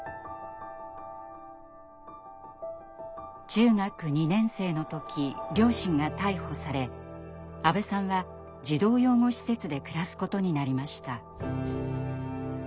中学２年生の時両親が逮捕され阿部さんは児童養護施設で暮らすことになりました。